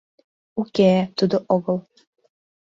— Уке, тудо огыл.